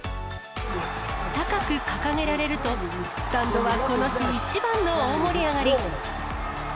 高く掲げられると、スタンドはこの日一番の大盛り上がり。